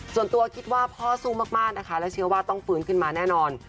ส่วนตัวคิดว่าพ่อสู้มากนะคะและเชื่อว่าต้องฟื้นขึ้นมาแน่นอน